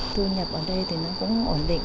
thu nhập ở đây thì nó cũng ổn định